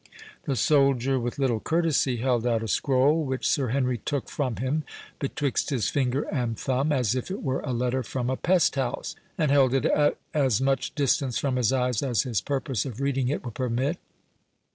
The soldier with little courtesy held out a scroll, which Sir Henry took from him betwixt his finger and thumb, as if it were a letter from a pest house; and held it at as much distance from his eyes, as his purpose of reading it would permit.